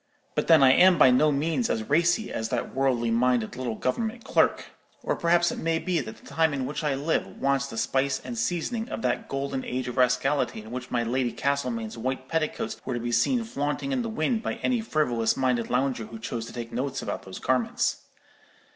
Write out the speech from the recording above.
But then I am by no means as racy as that worldly minded little government clerk; or perhaps it may be that the time in which I live wants the spice and seasoning of that golden age of rascality in which my Lady Castlemain's white petticoats were to be seen flaunting in the wind by any frivolous minded lounger who chose to take notes about those garments.